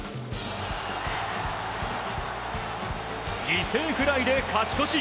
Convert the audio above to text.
犠牲フライで勝ち越し！